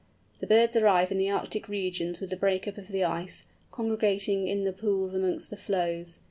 The birds arrive in the Arctic regions with the break up of the ice, congregating in the pools amongst the floes.